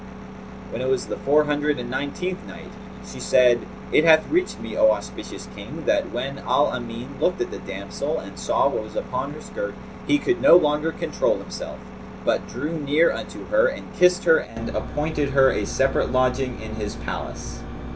When it was the Four Hundred and Nineteenth Night, She said, It hath reached me, O auspicious King, that when Al Amin looked at the damsel and saw what was upon her skirt, he could no longer control himself, but drew near unto her and kissed her and appointed her a separate lodging in his palace.